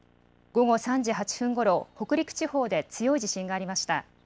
午後３時８分ごろ、北陸地方で強い地震がありました。